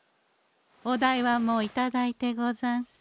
お代はもう頂いてござんす。